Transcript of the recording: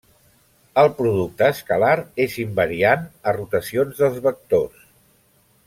El producte escalar és invariant a rotacions dels vectors.